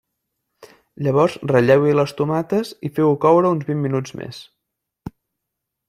Llavors ratlleu-hi les tomates i feu-ho coure uns vint minuts més.